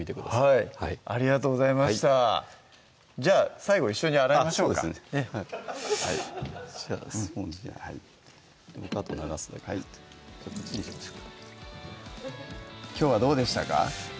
はいありがとうございましたじゃあ最後一緒に洗いましょうかそうですねじゃあスポンジで僕あと流すだけなんでこっちにしましょうかきょうはどうでしたか？